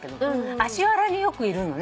アシ原によくいるのね